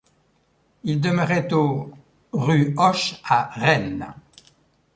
Il demeurait au rue Hoche à Rennes.